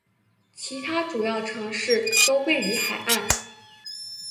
其他主要城市都位于海岸。